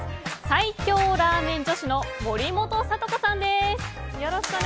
最強ラーメン女子の森本聡子さんです。